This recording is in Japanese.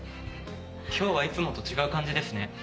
今日はいつもと違う感じですね。